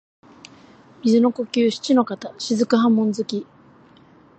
水の呼吸漆ノ型雫波紋突き（しちのかたしずくはもんづき）